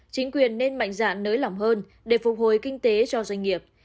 chính quyền nên mạnh dạn nới lỏng hơn để phục hồi kinh tế cho doanh nghiệp